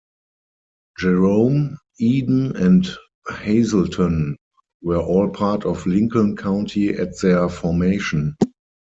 Jerome, Eden, and Hazelton were all part of Lincoln County at their formation.